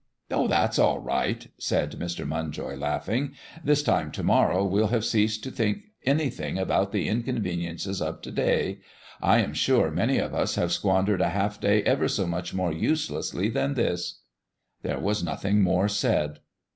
"Oh, that's all right," said Mr. Munjoy, laughing. "This time to morrow we'll have ceased to think anything about the inconveniences of to day. I am sure many of us have squandered a half day ever so much more uselessly than this." Then there was nothing more said.